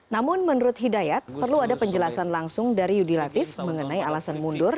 namun menurut hidayat perlu ada penjelasan langsung dari yudi latif mengenai alasan mundur